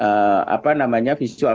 karena buku lebih banyak kepada media teks